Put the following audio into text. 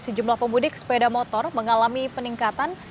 sejumlah pemudik sepeda motor mengalami peningkatan